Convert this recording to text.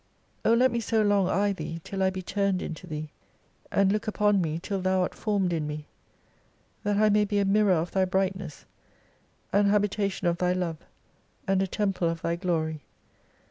O let me so long eye Thee, till I be turned into Thee, and look upon me till Thou art formed in me, that I may be a mirror of Thy brightness, an habitation of Thy Love, and a temple of Thy glory.